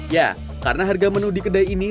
ya karena harga menu di kedai ini